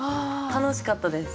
楽しかったです。